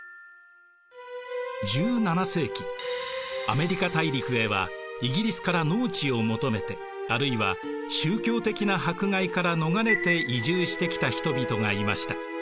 アメリカ大陸へはイギリスから農地を求めてあるいは宗教的な迫害から逃れて移住してきた人々がいました。